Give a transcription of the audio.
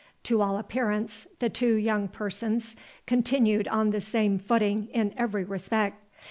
To all appearance, the two young persons continued on the same footing in every respect.